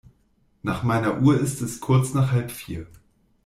Nach meiner Uhr ist es kurz nach halb vier.